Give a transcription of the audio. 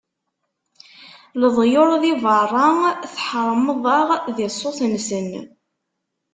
Leḍyur di berra, tḥermeḍ-aɣ di ṣṣut-nsen.